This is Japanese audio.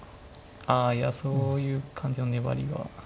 あいやそういう感じの粘りが。